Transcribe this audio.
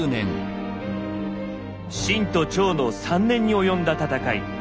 秦と趙の３年に及んだ戦い。